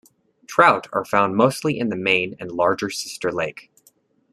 Trout are found mostly in the main and larger sister lake.